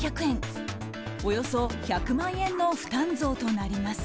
およそ１００万円の負担増となります。